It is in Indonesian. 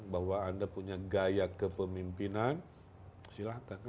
bahwa anda punya gaya kepemimpinan silahkan